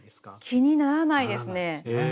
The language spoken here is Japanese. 気にならないですね。